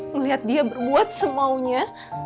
ngeliat dia berbuat semaunya